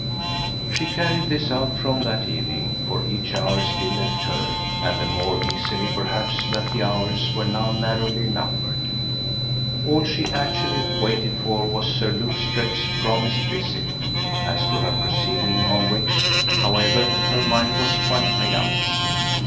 She carried this out, from that evening, for each hour still left her, and the more easily perhaps that the hours were now narrowly numbered. All she actually waited for was Sir Luke Strett's promised visit; as to her proceeding on which, however, her mind was quite made up.